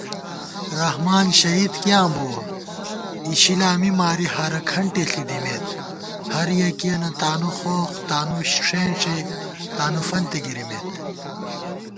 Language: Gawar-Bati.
رحمان شہید کیاں بُوَہ اِشِلا می ماری ہارہ کھنٹےݪی دِمېت * ہریَکِیَنہ تانُوخوخ تانُو ݭېنݭےتانُوفنتےگِرِمېت